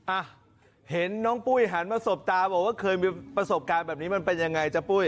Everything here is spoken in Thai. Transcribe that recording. อ่ะเห็นน้องปุ้ยหันมาสบตาบอกว่าเคยมีประสบการณ์แบบนี้มันเป็นยังไงจ๊ะปุ้ย